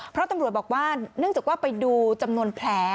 เพราะตำรวจบอกว่าเนื่องจากว่าไปดูจำนวนแผล